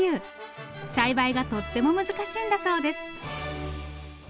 栽培がとっても難しいんだそうです。